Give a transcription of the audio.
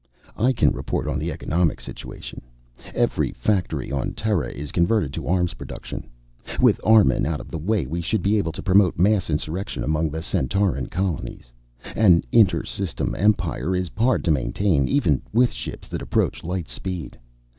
"I can report on the economic situation. Every factory on Terra is converted to arms production. With Armun out of the way we should be able to promote mass insurrection among the Centauran colonies. An inter system Empire is hard to maintain, even with ships that approach light speed.